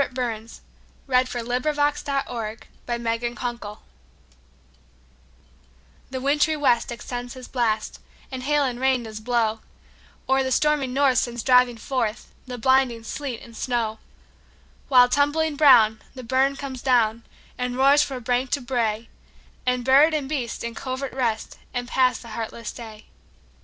The Harvard Classics. 1909–14. 1781 15 . Winter: A Dirge THE WINTRY west extends his blast, And hail and rain does blaw; Or the stormy north sends driving forthThe blinding sleet and snaw:While, tumbling brown, the burn comes down, And roars frae bank to brae; And bird and beast in covert rest, And pass the heartless day.